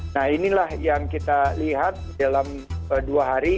nah inilah yang kita lihat dalam dua hari